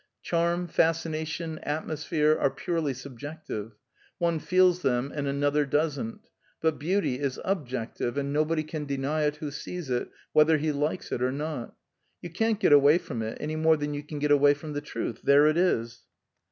Charm, fascination, atmosphere, are purely subjective; one feels them and another doesn't. But beauty is objective, and nobody can deny it who sees it, whether he likes it or not. You can't get away from it, any more than you can get away from the truth. There it is!"